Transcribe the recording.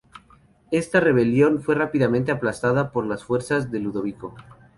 Esta rebelión fue rápidamente aplastada por las fuerzas de Ludovico.